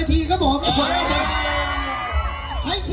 ถ้าบอกออกกัน